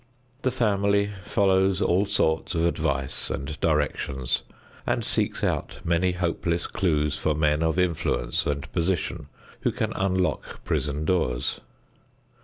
The family follows all sorts of advice and directions and seeks out many hopeless clews for men of influence and position who can unlock prison doors.